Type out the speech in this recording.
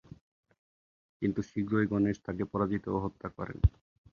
কিন্তু শীঘ্রই গণেশ তাঁকে পরাজিত ও হত্যা করেন।